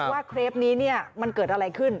เครปนี้มันเกิดอะไรขึ้น